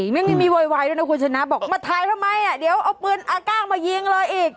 ไม่มีโวยวายด้วยนะคุณชนะบอกมาถ่ายทำไมอ่ะเดี๋ยวเอาปืนอาก้างมายิงเลยอีก